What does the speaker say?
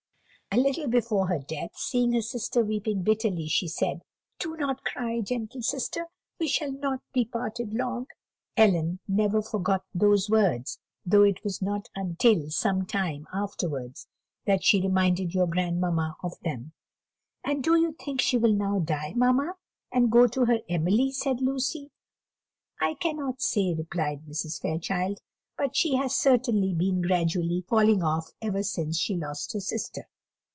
A little before her death, seeing her sister weeping bitterly, she said, 'Do not cry, gentle sister, we shall not be parted long.' Ellen never forgot those words, though it was not till some time afterwards that she reminded your grandmamma of them." "And do you think she will now die, mamma, and go to her Emily?" said Lucy. "I cannot say," replied Mrs. Fairchild; "but she has certainly been gradually falling off ever since she lost her sister."